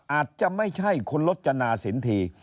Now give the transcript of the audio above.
อาจจะไม่ใช่คุณลจนาสินที